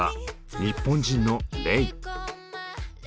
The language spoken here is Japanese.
日本人のレイ。